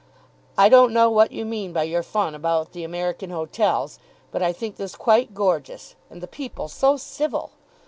"I don't know what you mean by your fun about the American hotels, but I think this quite gorgeous, and the people so civil!"